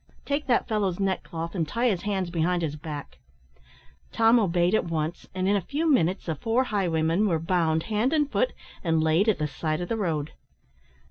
Take that fellow's neckcloth and tie his hands behind his back." Tom obeyed at once, and in a few minutes the four highwaymen were bound hand and foot, and laid at the side of the road.